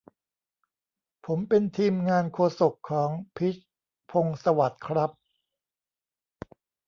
ผมเป็นทีมงานโฆษกของ พิชญ์ พงษ์สวัสดิ์ ครับ